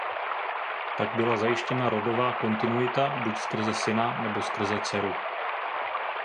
Tak byla zajištěna rodová kontinuita buď skrze syna nebo skrze dceru.